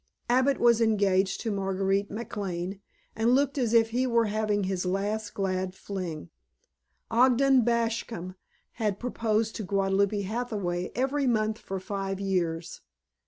Abbott was engaged to Marguerite McLane and looked as if he were having his last glad fling. Ogden Bascom had proposed to Guadalupe Hathaway every month for five years.